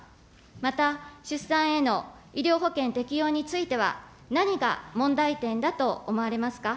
また出産への医療保険適用については、何が問題点だと思われますか。